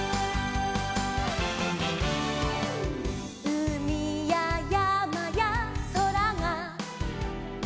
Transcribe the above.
「うみややまやそらが」